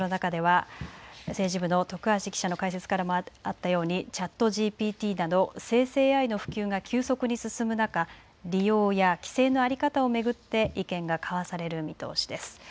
この中では政治部の徳橋記者の解説からもあったようにＣｈａｔＧＰＴなど生成ＡＩの普及が急速に進む中、利用や規制の在り方を巡って意見が交わされる見通しです。